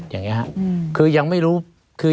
ไม่มีครับไม่มีครับ